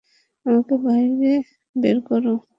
আমাকে বাহিরে বেরকরো।